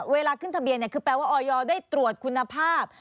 เวลาขึ้นทะเบียนคือแปลว่าออยได้ตรวจคุณภาพ